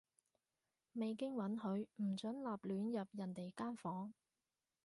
未經允許，唔准立亂入人哋間房